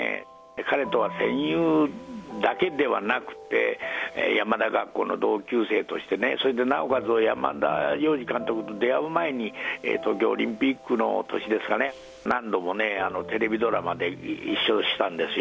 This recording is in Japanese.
彼とは戦友だけではなくて、山田学校の同級生としてね、それでなおかつ、山田洋次監督と出会う前に、東京オリンピックの年ですかね、何度もね、テレビドラマで一緒したんですよ。